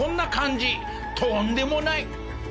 とんでもない！